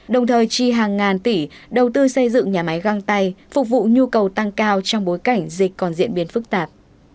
đồng thời chi hàng ngàn tỷ đầu tư xây dựng nhà máy găng tay phục vụ nhu cầu tăng cao trong bối cảnh dịch còn diễn biến phức tạp